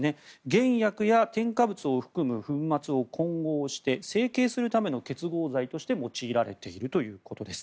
原薬や添加物を含む粉末を混合して成形するための結合剤として用いられているということです。